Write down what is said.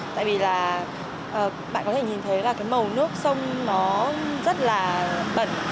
tại vì bạn có thể nhìn thấy màu nước sông rất là bẩn